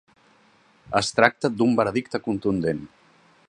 Es tracta d’un veredicte contundent.